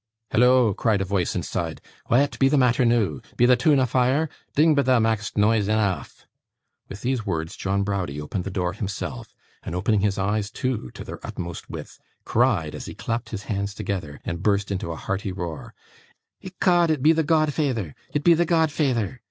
'Halloa!' cried a voice inside. 'Wa'et be the matther noo? Be the toon a fire? Ding, but thou mak'st noise eneaf!' With these words, John Browdie opened the door himself, and opening his eyes too to their utmost width, cried, as he clapped his hands together, and burst into a hearty roar: 'Ecod, it be the godfeyther, it be the godfeyther!